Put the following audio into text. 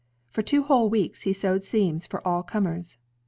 For two whole weeks, he sewed seams for all comers.